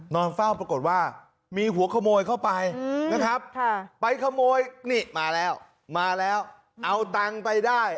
นอนเฝ้าปรากฏว่ามีหัวขโมยเข้าไปนะครับไปขโมยนี่มาแล้วมาแล้วเอาตังค์ไปได้